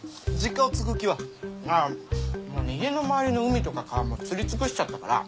家の周りの海とか川釣り尽くしちゃったから。